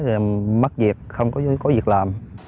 thì em mất việc không có việc làm